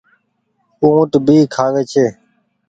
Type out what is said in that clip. اُٽ ڀي کآوي ڇي۔